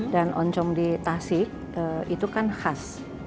dan oncom di tasik itu kan khas